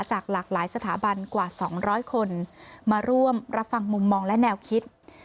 จากหลากหลายสถาบันกว่า๒๐๐คนมาร่วมรับฟังมุมมองและแนวคิด